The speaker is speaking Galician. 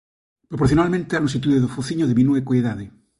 Proporcionalmente a lonxitude do fociño diminúe coa idade.